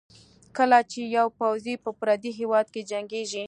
کله چې یو پوځي په پردي هېواد کې جنګېږي.